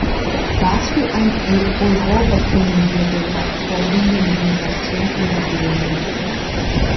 Was für ein Europa können wir der nachfolgenden Generation übergeben?